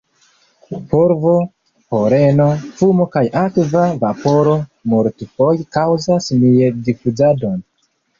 Polvo, poleno, fumo kaj akva vaporo multfoje kaŭzas Mie-difuzadon.